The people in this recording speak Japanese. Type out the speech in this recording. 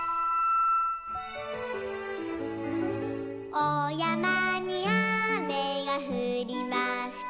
「おやまにあめがふりました」